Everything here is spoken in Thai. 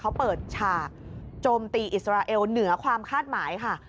เขาเปิดฉากโจมตีอิสราเอลเหนือความคาดหมายค่ะ